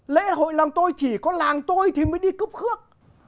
lễ hội làng tôi chỉ có làng tôi thì mới đi cấp khước